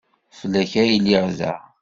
Fell-ak ay lliɣ da.